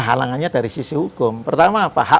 halangannya dari sisi hukum pertama apa hak